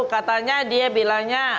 katanya dia bilangnya